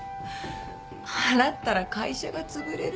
払ったら会社がつぶれる。